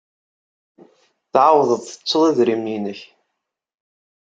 Tɛawdeḍ tettuḍ idrimen-nnek.